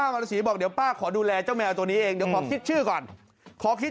มูลิธีเขาถามว่าแล้วตกลงจะเอาชื่ออะไรดี